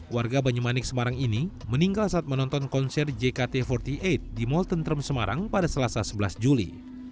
warga banyumanik semarang ini meninggal saat menonton konser jkt empat puluh delapan di mall tentrem semarang pada selasa sebelas juli